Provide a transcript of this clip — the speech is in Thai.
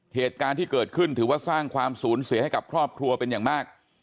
เหตุการณ์ที่เกิดขึ้นถือว่าสร้างความสูญเสียให้กับครอบครัวเป็นอย่างมาก